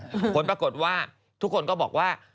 ผลปรากฏว่าทุกคนก็บอกว่า